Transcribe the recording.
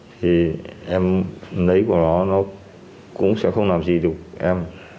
thì em lấy của nó nó cũng sẽ không làm gì được em